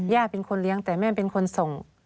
เป็นคนเลี้ยงแต่แม่เป็นคนส่ง